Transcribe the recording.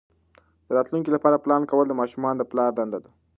د راتلونکي لپاره پلان کول د ماشومانو د پلار دنده ده.